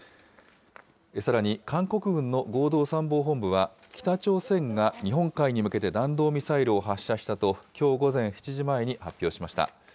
さらに、韓国軍の合同参謀本部は、北朝鮮が日本海に向けて弾道ミサイルを発射したと、きょう午前７時前に発表しました。